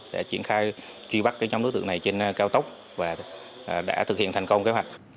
để triển khai truy bắt cái nhóm đối tượng này trên cao tốc và đã thực hiện thành công kế hoạch